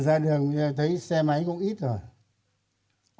ra đường thấy xe máy cũng ít rồi